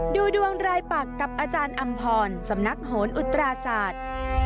ดูดวงรายปักกับอาจารย์อำพรสำนักโหนอุตราศาสตร์